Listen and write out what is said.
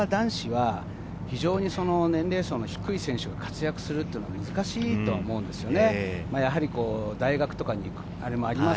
なかなか男子は非常に年齢層の低い選手が活躍するというのは難しいと思うんですよね。